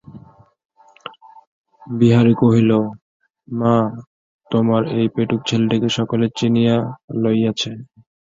বিহারী কহিল, মা, তোমার এই পেটুক ছেলেটিকে সকলেই চিনিয়া লইয়াছে।